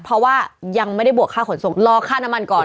เพราะว่ายังไม่ได้บวกค่าขนส่งรอค่าน้ำมันก่อน